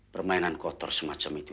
permainan kotor semacam itu